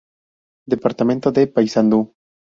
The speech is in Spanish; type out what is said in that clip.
Departamento de Paysandú